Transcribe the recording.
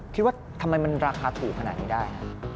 คิดว่าทำไมมันราคาถูกขนาดนี้ได้